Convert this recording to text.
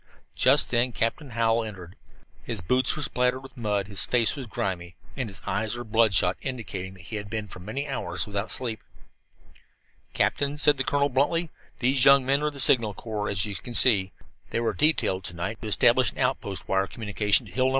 Just then Captain Hallowell entered. His boots were spattered with mud, his face was grimy, and his eyes were bloodshot, indicating that he had been for many hours without sleep. "Captain," said the colonel bluntly, "these young men are of the Signal Corps, as you you can see. They were detailed to night to establish an outpost wire communication to Hill No.